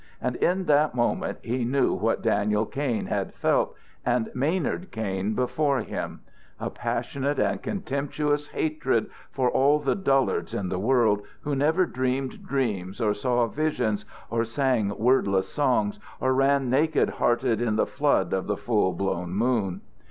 And in that moment he knew what Daniel Kain had felt, and Maynard Kain before him; a passionate and contemptuous hatred for all the dullards in the world who never dreamed dreams or saw visions or sang wordless songs or ran naked hearted in the flood of the full blown moon.